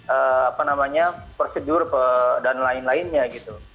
apa namanya prosedur dan lain lainnya gitu